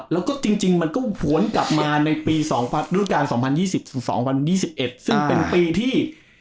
แล้วก็จริงมันก็หวนกลับมาในปี๒รูปการ๒๐๒๐๒๑ซึ่งเป็นปีที่